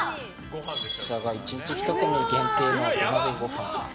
こちらが１日１組限定の土鍋ご飯です。